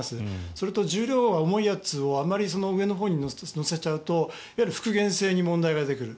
それと重量が重いやつをあまり上のほうに載せると復原性に問題が出てくる。